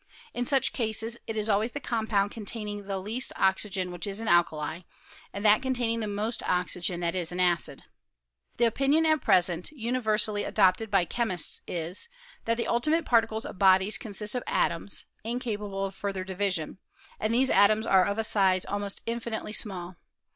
In such cases it is always the compound containing the least oxy~ gen which is an alkali, and that containing; the most oxygen that is an acid. The opinion at present universally adopted by chemists is, that tbe ultimate particles of bodies consist of atoms, incapable of further division ; and these atoms are of a size almost inhuitely small.